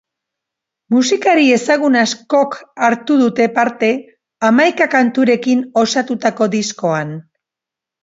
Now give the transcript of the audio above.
Musikari ezagun askok hartu dute parte hamaika kanturekin osatutako diskoan.